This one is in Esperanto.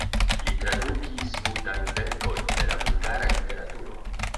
Li tradukis multajn verkojn de la bulgara literaturo.